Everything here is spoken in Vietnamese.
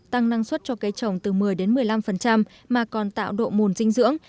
tăng năng suất cho cây trồng từ một mươi đến một mươi năm mà còn tạo độ mùn dinh dưỡng